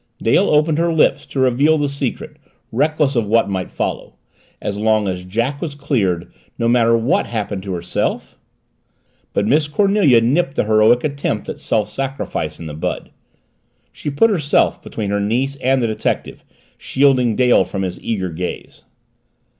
Dale opened her lips to reveal the secret, reckless of what might follow. As long as Jack was cleared what matter what happened to herself? But Miss Cornelia nipped the heroic attempt at self sacrifice in the bud. She put herself between her niece and the detective, shielding Dale from his eager gaze.